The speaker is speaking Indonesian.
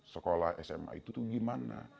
sekolah sma itu tuh gimana